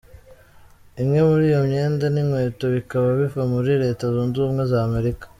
Imwe muri iyo myenda n'inkweto bikaba biva muri Leta zunze ubumwe za Amerika.